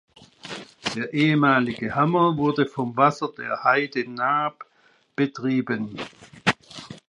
Der ehemalige Hammer wurde vom Wasser der Haidenaab betrieben.